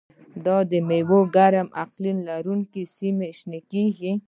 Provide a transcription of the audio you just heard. دا مېوه د ګرم اقلیم لرونکو سیمو کې شنه کېږي.